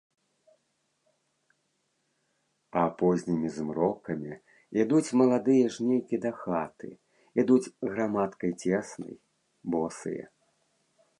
А познімі змрокамі ідуць маладыя жнейкі дахаты, ідуць грамадкай цеснай, босыя.